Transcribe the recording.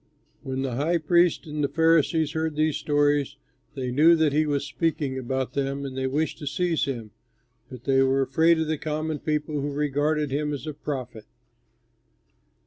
'" When the high priests and the Pharisees heard these stories, they knew that he was speaking about them, and they wished to seize him but were afraid of the common people who regarded him as a prophet.